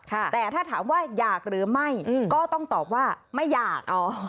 แต่ถ้าถามว่าอยากหรือไม่ก็ต้องตอบว่าไม่อยากเอา